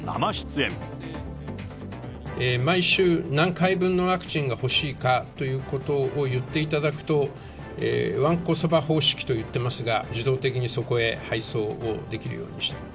毎週、何回分のワクチンが欲しいかということを言っていただくと、わんこそば方式と言ってますが、自動的にそこへ配送できるようにしたいと。